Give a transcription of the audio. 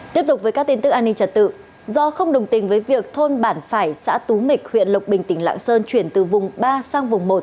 tiếp tục với các tin tức an ninh trật tự do không đồng tình với việc thôn bản phải xã tú mịch huyện lộc bình tỉnh lạng sơn chuyển từ vùng ba sang vùng một